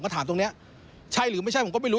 ถามตรงเนี้ยใช่หรือไม่ใช่ผมก็ไม่รู้